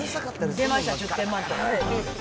出ました、１０点満点。